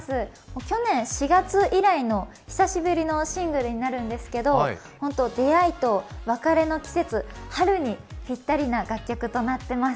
去年４月以来の久しぶりのシングルになるんですけど、出会いと別れの季節、春にぴったりな楽曲となっています。